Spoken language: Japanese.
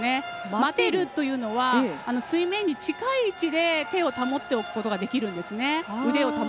待てるというのは水面に近い位置で腕を保っておくことができるんですね。